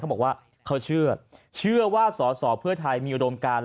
บอกว่าเขาเชื่อเชื่อว่าสอสอเพื่อไทยมีอุดมการ